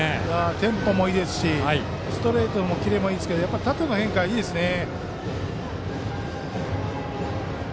テンポもいいですしストレートのキレもいいですけどやっぱり縦の変化がいいですね。